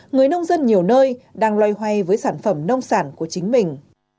người nông dân nhiều nơi đang loay hoay với sản phẩm nông sản của chính mình